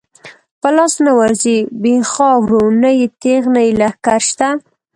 په لاس نه ورځی بی خاورو، نه یې تیغ نه یی لښکر شته